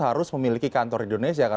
harus memiliki kantor di indonesia